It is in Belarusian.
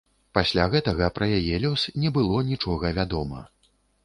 Пасля гэтага пра яе лёс не было нічога вядома.